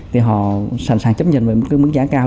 thì họ sẵn sàng chấp nhận với mức giá cao